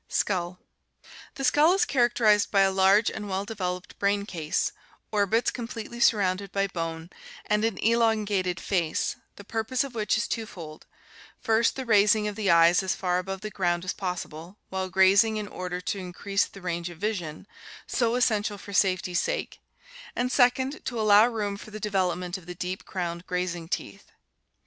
Skull. — The skull is characterized by a large and well developed brain case, orbits completely surrounded by bone, and an elon gated face, the purpose of which is twofold, first the raising of the eyes as far above the ground as possible while grazing in order to increase the range of vision, so essential for safety's sake, and second to allow room for the development of the deep crowned grazing teeth.